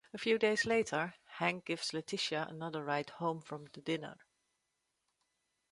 A few days later, Hank gives Leticia another ride home from the diner.